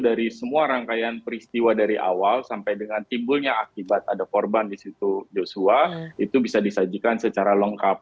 dari semua rangkaian peristiwa dari awal sampai dengan timbulnya akibat ada korban di situ joshua itu bisa disajikan secara lengkap